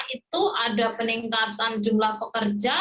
itu ada peningkatan jumlah pekerja